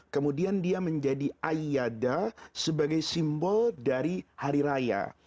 kemudian dia menjadi ayada sebagai simbol dari hari raya